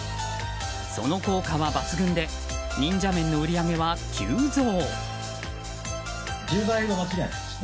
その効果は抜群で忍者麺の売り上げは急増！